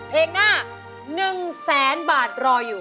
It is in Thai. เพลงหน้า๑แสนบาทรออยู่